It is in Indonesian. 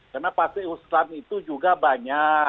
karena partai islam itu juga banyak